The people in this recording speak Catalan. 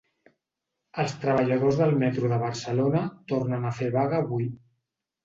Els treballadors del metro de Barcelona tornen a fer vaga avui.